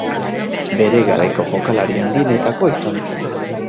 Bere garaiko jokalari handienetakoa izan zen.